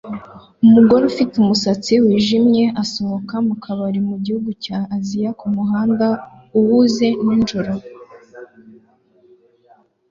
Umugore ufite umusatsi wijimye asohoka mu kabari mu gihugu cya Aziya kumuhanda uhuze nijoro